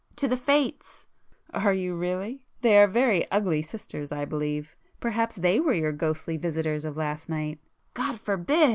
"To the Fates!" "Are you really? They are very ugly sisters I believe. Perhaps they were your ghostly visitors of last night!" "God forbid!"